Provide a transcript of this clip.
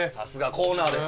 コーナーです。